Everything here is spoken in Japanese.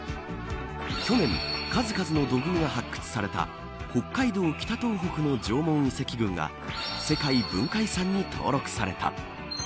去年、数々の土偶が発掘された北海道・北東北の縄文遺跡群が世界文化遺産に登録された。